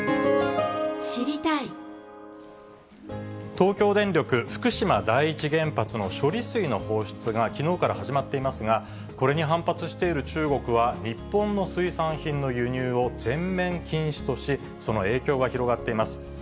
東京電力福島第一原発の処理水の放出がきのうから始まっていますが、これに反発している中国は、日本の水産品の輸入を全面禁止とし、その影響が広がっています。